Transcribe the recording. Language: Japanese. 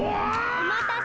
おまたせ！